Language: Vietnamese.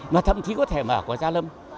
mà thậm chí có thể mở ở quảng gia lâm